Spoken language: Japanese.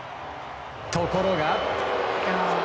ところが。